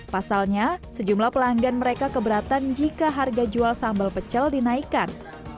pasalnya sejumlah pelanggan mereka keberatan jika harga jual sambal pecel dinaikkan